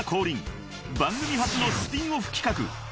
［番組初のスピンオフ企画ついに始動］